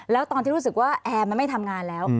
แล้วตอนที่รู้สึกว่าแอร์มันไม่ทำงานแล้ว